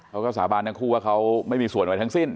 เขาก็สาบานทั้งคู่ว่าเขาไม่มีส่วนไว้ทั้งสิ้น